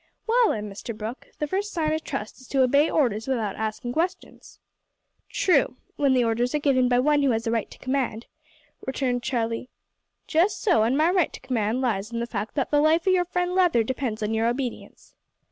"Well then, Mr Brooke, the first sign o' trust is to obey orders without askin' questions." "True, when the orders are given by one who has a right to command," returned Charlie. "Just so, an' my right to command lies in the fact that the life o' your friend Leather depends on your obedience."